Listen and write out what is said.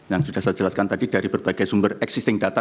yang sudah saya jelaskan tadi dari berbagai sumber existing data